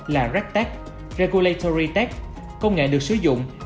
là regtech regulatory tech công nghệ được sử dụng